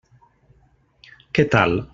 Què tal?